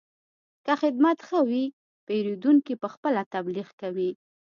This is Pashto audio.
که خدمت ښه وي، پیرودونکی پخپله تبلیغ کوي.